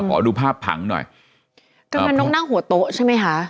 ขอดูภาพผังหน่อยกำนันนกนั่งหัวโต๊ะใช่ไหมคะ